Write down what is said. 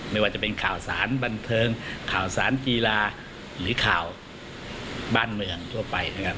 ไม่ว่าจะเป็นข่าวสารบันเทิงข่าวสารกีฬาหรือข่าวบ้านเมืองทั่วไปนะครับ